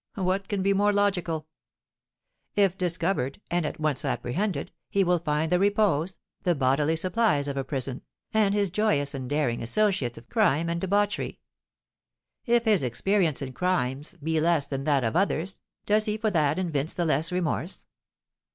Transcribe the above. What can be more logical? If discovered, and at once apprehended, he will find the repose, the bodily supplies of a prison, and his joyous and daring associates of crime and debauchery. If his experience in crimes be less than that of others, does he for that evince the less remorse?